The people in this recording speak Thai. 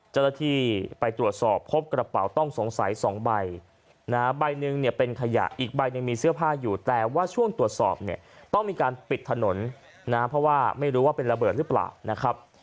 เจ้าหน้าที่ไปตรวจสอบพบกระเป๋าต้องสงสัย๒ใบนะฮะใบหนึ่งเนี่ยเป็นขยะอีกใบหนึ่งมีเสื้อผ้าอยู่แต่ว่าช่วงตรวจสอบเนี่ยต้องมีการปิดถนนนะเพราะว่าไม่รู้ว่าเป็นระเบิดหรือเปล่านะครับ